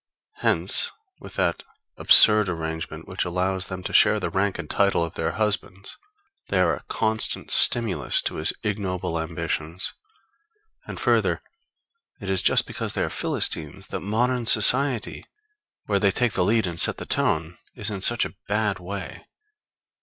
Hence, with that absurd arrangement which allows them to share the rank and title of their husbands they are a constant stimulus to his ignoble ambitions. And, further, it is just because they are Philistines that modern society, where they take the lead and set the tone, is in such a bad way.